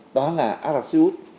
đó là arap siêu út